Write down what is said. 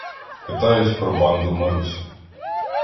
Питають про "банду Марусі".